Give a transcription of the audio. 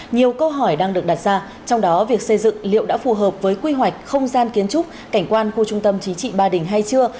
nhiều câu hỏi đang được đặt ra trong đó việc xây dựng liệu đã phù hợp với quy hoạch không gian kiến trúc cảnh quan khu trung tâm chính trị ba đình hay chưa